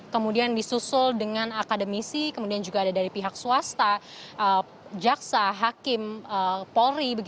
kemudian disusul dengan akademisi kemudian juga ada dari pihak swasta jaksa hakim polri